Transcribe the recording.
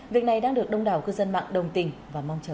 việc này đang được đông đảo cư dân mạng đồng tình và mong chờ